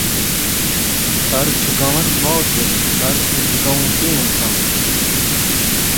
سر جھکاوݨ موت ہے سر کوں جھکاؤں کیوں اساں